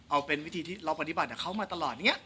เอาเป็นวิธีที่เราปฏิบัติเขาตลอด